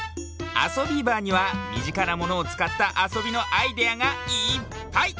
「あそビーバー」にはみぢかなものをつかったあそびのアイデアがいっぱい！